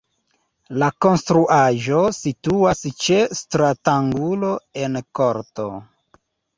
La konstruaĵo situas ĉe stratangulo en korto.